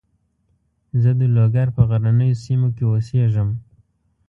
زه د لوګر په غرنیو سیمو کې اوسېږم.